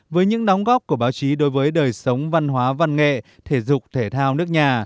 với những đóng góp của báo chí đối với đời sống văn hóa văn nghệ thể dục thể thao nước nhà